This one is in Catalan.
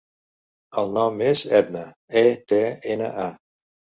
El nom és Etna: e, te, ena, a.